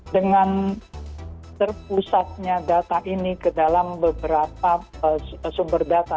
dengan terpusatnya data ini ke dalam beberapa sumber data